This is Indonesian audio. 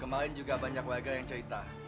kemarin juga banyak warga yang cerita